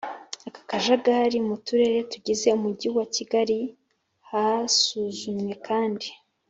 akajagari mu Turere tugize Umujyi wa Kigali Hasuzumwe kandi